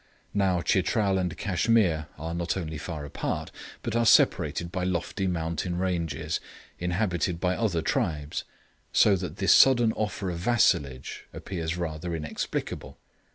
Now Chitral and Cashmere are not only far apart, but are separated by lofty mountain ranges, inhabited by other tribes, so that this sudden offer of vassalage seems rather inexplicable.